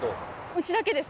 うちだけです。